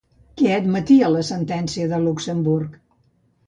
Què admetia la sentència de Luxemburg?